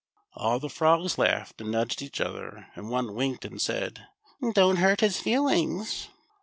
All the frogs laughed and nudged each other, and one winked and said, "Don't hurt his feelings!"